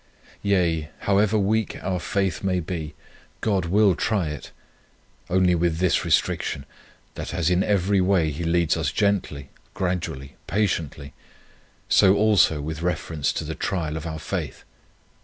"Yea, however weak our faith may be, God will try it; only with this restriction, that as in every way, He leads on gently, gradually, patiently, so also with reference to the trial of our faith.